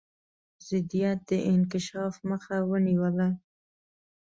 ضدیت د انکشاف مخه ونیوله.